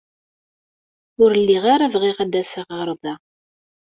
Ur lliɣ ara bɣiɣ ad d-aseɣ ɣer da.